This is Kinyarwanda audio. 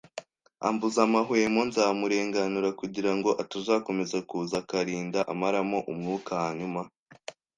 ambuza amahwemo nzamurenganura kugira ngo atazakomeza kuza akarinda amaramo umwuka Hanyuma